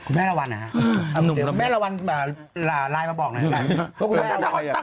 คุณแม่ละวันเหรอครับแม่ละวันไลน์มาบอกหน่อย